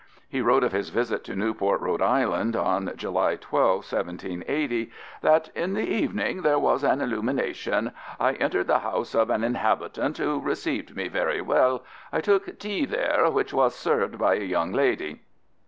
He wrote of his visit to Newport, Rhode Island, on July 12, 1780, that "in the evening there was an illumination. I entered the house of an inhabitant, who received me very well; I took tea there, which was served by a young lady."